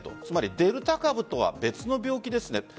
つまりデルタ株とは別の病気ですね。